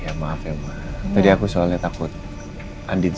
iya maaf ya ma tadi aku soalnya takut andin sama reina kebangun